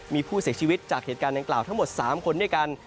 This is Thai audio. มีผู้เสียชีวิตจากเหตุการณ์ดังกล่าวทั้งหมด๓คนด้วยกัน